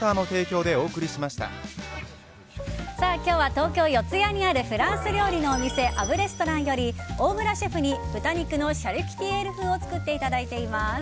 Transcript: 東京・四ツ谷にあるフランス料理のお店アブレストランより大村シェフに豚肉のシャルキュティエール風を作っていただいています。